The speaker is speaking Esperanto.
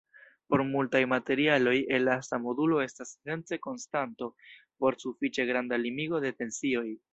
Por multaj materialoj, elasta modulo estas esence konstanto por sufiĉe granda limigo de tensioj.